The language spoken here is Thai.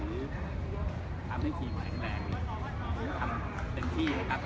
ทำได้ทีหมายแข็งแรงเตรียมทางทำเป็นที่นะครับ